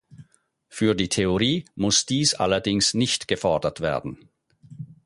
Für die Theorie muss dies allerdings nicht gefordert werden.